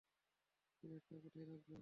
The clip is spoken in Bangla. প্লেটটা কোথায় রাখবো?